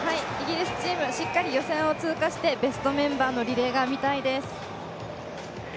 しっかり予選を通過して、ベストメンバーのリレーが見たいです。